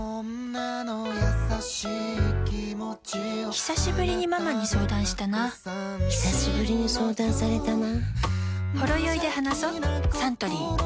ひさしぶりにママに相談したなひさしぶりに相談されたな